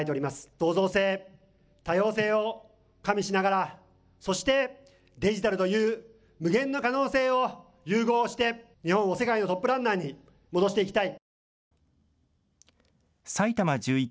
創造性、多様性を加味しながら、そしてデジタルという無限の可能性を融合して、日本を世界のトップランナーに戻していきたい。